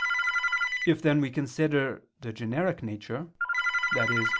If then we consider the generic nature, i.e.